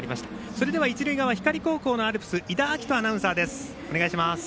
それでは一塁側光高校のアルプス伊田晃都アナウンサーです。